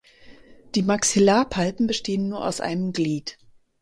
Die Maxillarpalpen bestehen nur aus einem Glied.